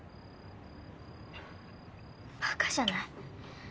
バカじゃない？